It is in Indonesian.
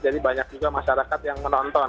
banyak juga masyarakat yang menonton